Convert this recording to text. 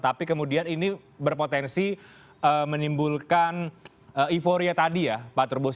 tapi kemudian ini berpotensi menimbulkan euforia tadi ya pak turbus